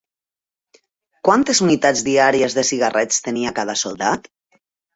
Quantes unitats diàries de cigarrets tenia cada soldat?